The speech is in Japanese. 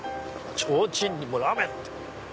ちょうちんにも「ラーメン」！